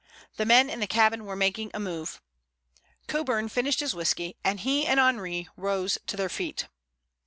The men in the cabin were making a move. Coburn finished his whisky, and he and Henri rose to their feet.